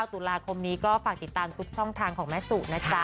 ตุลาคมนี้ก็ฝากติดตามทุกช่องทางของแม่สุนะจ๊ะ